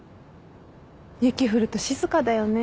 雪降ると静かだよね。